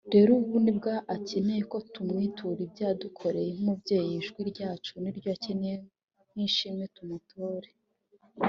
rero ubu nibwo akeneye ko tumwitura ibyo yadukoreye nk'umubyeyi ijwi ryacu niryo akeneye nk ishimwe tumutore